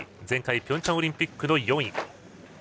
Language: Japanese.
前回ピョンチャンオリンピック４位。